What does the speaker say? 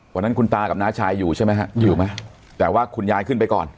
วันนั้นคุณตากับน้าชายอยู่ใช่ไหมฮะอยู่ไหมแต่ว่าคุณยายขึ้นไปก่อน